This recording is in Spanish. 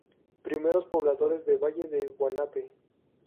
Primeros pobladores de Valle de Guanape.